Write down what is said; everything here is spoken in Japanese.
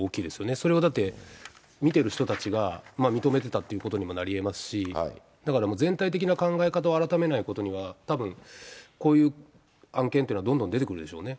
それをだって、見てる人たちが認めてたということにもなりえますし、だから全体的な考え方を改めないことには、たぶんこういう案件というのはどんどん出てくるでしょうね。